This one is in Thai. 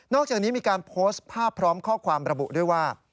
อกจากนี้มีการโพสต์ภาพพร้อมข้อความระบุด้วยว่า